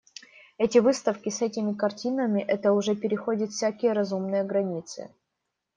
Эти выставки с этими картинами, это уже переходит всякие разумные границы.